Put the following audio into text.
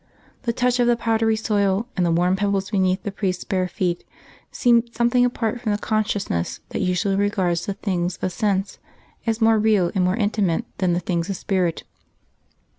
The touch of the powdery soil and the warm pebbles beneath the priest's bare feet seemed something apart from the consciousness that usually regards the things of sense as more real and more intimate than the things of spirit.